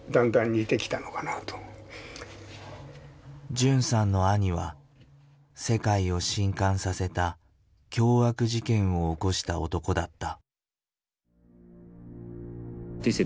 純さんの兄は世界をしんかんさせた凶悪事件を起こした男だった。